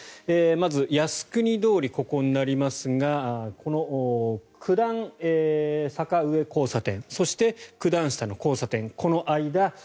まず、靖国通りここになりますがこの九段坂上交差点そして九段下の交差点この間。